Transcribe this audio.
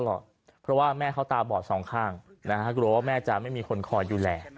หรอกเพราะว่าแม่เขาตาบอดสองข้างนะฮะกลัวว่าแม่จะไม่มีคนคอยดูแล